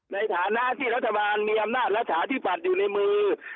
ในฐานะที่รัฐบาลมีอำนาจรัฐาธิบัติอยู่ในมือ